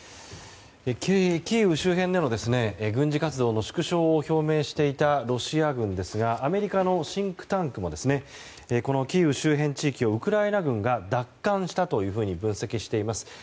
キーウ周辺での軍事活動の縮小を表明していたロシア軍ですがアメリカのシンクタンクもこのキーウ周辺地域をウクライナ軍が奪還したというふうに分析しています。